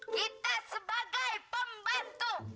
kita sebagai pembantu